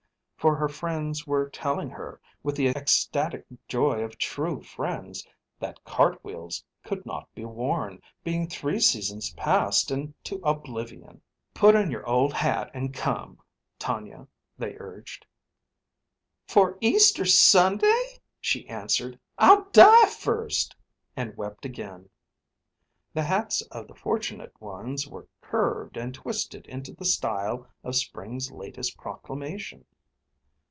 For her friends were telling her, with the ecstatic joy of true friends, that cart wheels could not be worn, being three seasons passed into oblivion. "Put on your old hat and come, Tonia," they urged. "For Easter Sunday?" she answered. "I'll die first." And wept again. The hats of the fortunate ones were curved and twisted into the style of spring's latest proclamation.